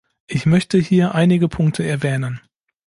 Ich möchte hier einige Punkte erwähnen.